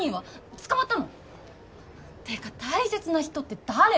捕まったの？ってか大切な人って誰？